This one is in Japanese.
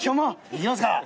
いきますか。